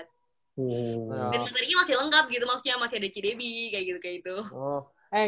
dan materinya masih lengkap gitu maksudnya masih ada cidebi kayak gitu kayak itu